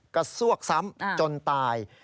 ซวกซ้ำจนตาย